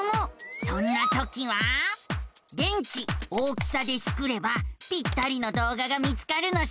そんなときは「電池大きさ」でスクればぴったりの動画が見つかるのさ。